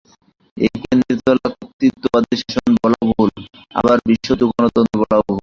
একে নির্জলা কর্তৃত্ববাদী শাসন বলাও ভুল, আবার বিশুদ্ধ গণতন্ত্র বলাও ভুল।